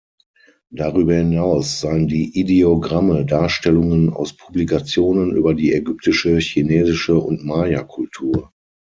Darüber hinaus seien die Ideogramme Darstellungen aus Publikationen über die ägyptische, chinesische und Maya-Kultur.